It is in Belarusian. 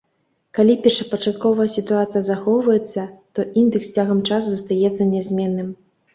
Калі першапачатковая сітуацыя захоўваецца, то індэкс з цягам часу застаецца нязменным.